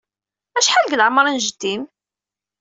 Acḥal deg leɛmeṛ n jeddi-m?